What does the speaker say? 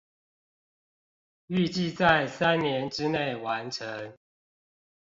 預計在三年之內完成